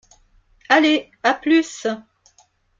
Allez, à plus!